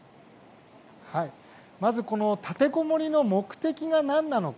まず立てこもりの目的が何なのか。